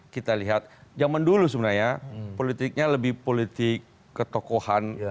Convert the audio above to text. kita lihat zaman dulu sebenarnya politiknya lebih politik ketokohan